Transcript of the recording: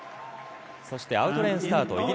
そして、アウトレーンスタート